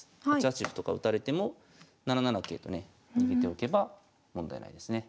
８八歩とか打たれても７七桂とね逃げておけば問題ないですね。